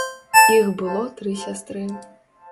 Іх было тры сястры.